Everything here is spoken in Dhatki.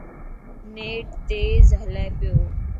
نيٽ تيز هلي پيو.